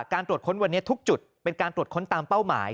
การตรวจค้นวันนี้ทุกจุดเป็นการตรวจค้นตามเป้าหมาย